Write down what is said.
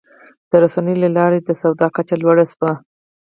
د رسنیو له لارې د سواد کچه لوړه شوې.